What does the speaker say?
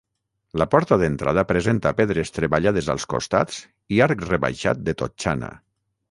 La porta d'entrada presenta pedres treballades als costats i arc rebaixat de totxana.